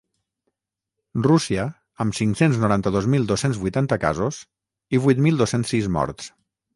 Rússia, amb cinc-cents noranta-dos mil dos-cents vuitanta casos i vuit mil dos-cents sis morts.